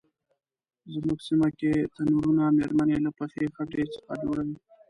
زمونږ سیمه کې تنرونه میرمنې له پخې خټې څخه جوړوي.